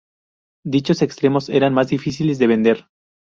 Dichos extremos eran más difíciles de vender.